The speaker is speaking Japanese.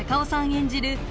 演じる